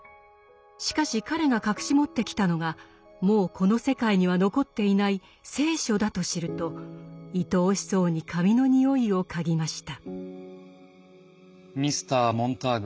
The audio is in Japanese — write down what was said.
しかし彼が隠し持ってきたのがもうこの世界には残っていない「聖書」だと知るといとおしそうに紙の匂いを嗅ぎました。